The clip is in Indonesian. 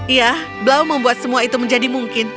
iya blau membuat semua itu menjadi mungkin